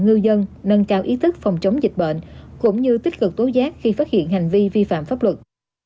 ngư dân nâng cao ý thức phòng chống dịch bệnh cũng như tích cực tối giác khi phát hiện hành vi vi phạm pháp luật